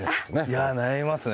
いやあ悩みますね。